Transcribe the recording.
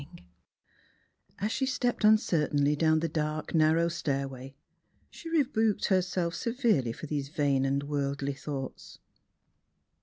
II The Transfiguration of As she stepped uncertainly down the dark, narrow stair way she rebuked herself severely for these vain and worldly thoughts.